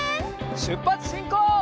しゅっぱつしんこう！